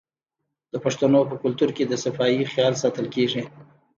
د پښتنو په کلتور کې د صفايي خیال ساتل کیږي.